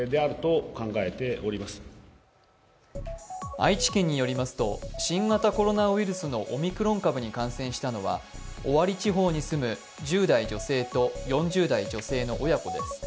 愛知県によりますと新型コロナウイルスのオミクロン株に感染したのは尾張地方に住む１０代女性と４０代女性の親子です。